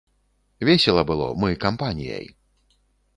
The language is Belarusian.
Весела было, мы кампаніяй.